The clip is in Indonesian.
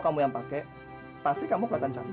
karena aku pasti bisa menyet omong akit